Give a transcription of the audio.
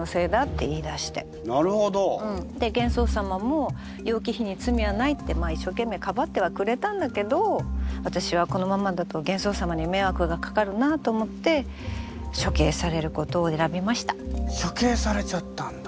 玄宗様も楊貴妃に罪はないって一生懸命かばってはくれたんだけど私はこのままだと玄宗様に迷惑がかかるなと思って処刑されちゃったんだ。